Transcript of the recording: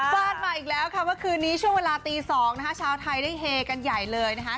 ฟาดมาอีกแล้วค่ะเมื่อคืนนี้ช่วงเวลาตี๒นะคะชาวไทยได้เฮกันใหญ่เลยนะคะ